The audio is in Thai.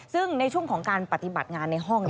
ซึ่งในช่วงของการปฏิบัติงานในห้อง